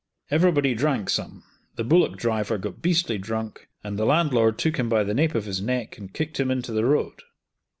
Everybody drank some; the bullock driver got beastly drunk, and the landlord took him by the nape of his neck and kicked him into the road.